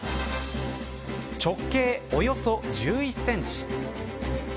直径およそ１１センチ。